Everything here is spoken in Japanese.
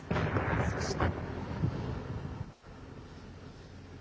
そして。